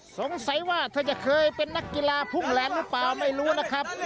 สงสัยว่าเธอจะเคยเป็นนักกีฬาพุ่งแลนด์หรือเปล่าไม่รู้นะครับ